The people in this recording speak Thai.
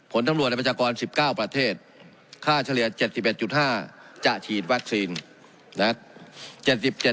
ผลสำรวจในประชากร๑๙ประเทศค่าเฉลี่ย๗๑๕จะฉีดวัคซีนนะครับ